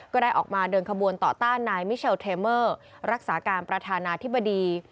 ก็ได้ออกมาเดินขบวนต่อต้านนายมิเชลเทเมอร์รักษาการประธานาธิบดี